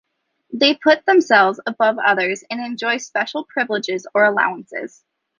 They put themselves above others and enjoy special privileges or allowances.